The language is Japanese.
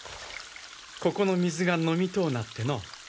ここの水が飲みとうなっての。